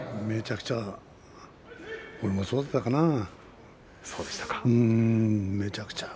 めちゃくちゃだったかな。